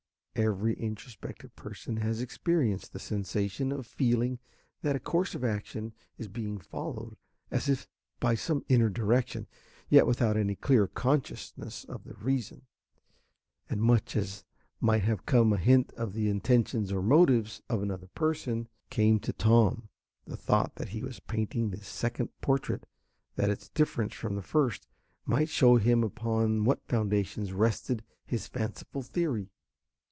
Every introspective person has experienced the sensation of feeling that a course of action is being followed as if by some inner direction, yet without any clear consciousness of the reason; and much as might have come a hint of the intentions or motives of another person, came to Tom the thought that he was painting this second portrait that its difference from the first might show him upon what foundations rested his fanciful theory.